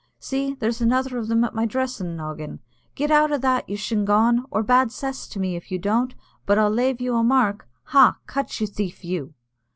See, there's another of them at my dressin' noggin. Go out o' that, you shingawn; or, bad cess to me, if you don't, but I'll lave you a mark. Ha! cut, you thief you!"